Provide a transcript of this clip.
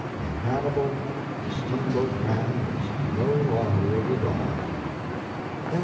In Hannibal the steamboat man is no longer the god. CXLI.